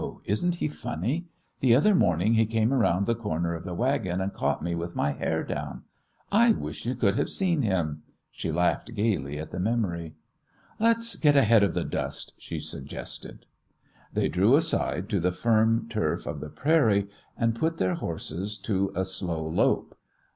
Isn't he funny? The other morning he came around the corner of the wagon and caught me with my hair down. I wish you could have seen him!" She laughed gayly at the memory. "Let's get ahead of the dust," she suggested. They drew aside to the firm turf of the prairie and put their horses to a slow lope.